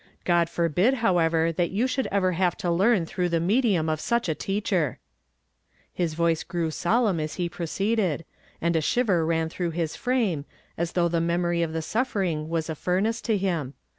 God forbid, however, that you should ever luive to learn through the medium of such a teacher I" ilis voice grew solemn as lie proceeded, and a shiver ran through his frame, as tliuugh the mem ory of the suffering was a furnace to him.